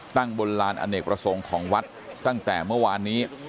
บนลานอเนกประสงค์ของวัดตั้งแต่เมื่อวานนี้